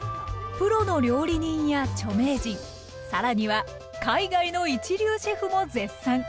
プロの料理人や著名人更には海外の一流シェフも絶賛。